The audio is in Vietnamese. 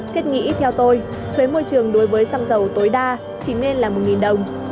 thiết nghĩ theo tôi thuế môi trường đối với xăng dầu tối đa chỉ nên là một đồng